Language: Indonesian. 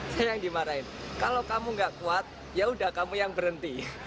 saya yang dimarahin kalau kamu gak kuat yaudah kamu yang berhenti